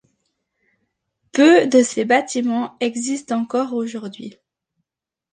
Peu de ses bâtiments existent encore aujourd'hui.